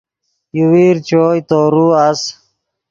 یوویر چوئے تورو اَس